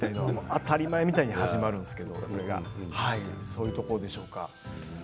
当たり前みたいに始まるんですけれどそういうところでしょうか。